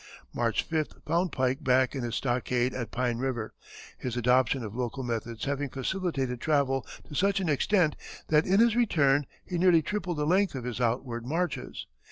March 5th found Pike back in his stockade at Pine River, his adoption of local methods having facilitated travel to such an extent that in his return he nearly tripled the length of his outward marches.